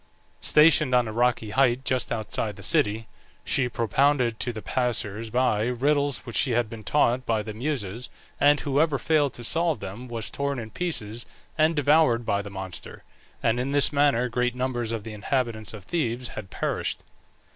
Stationed on a rocky height just outside the city, she propounded to the passers by riddles which she had been taught by the Muses, and whoever failed to solve them was torn in pieces and devoured by the monster, and in this manner great numbers of the inhabitants of Thebes had perished.